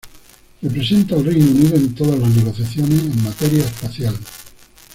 Representa al Reino Unido en todas las negociaciones en materia espacial.